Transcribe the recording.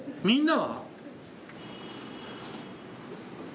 みんなは？